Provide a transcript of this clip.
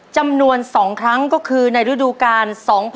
จำนวนสองครั้งก็คือในรูดูการ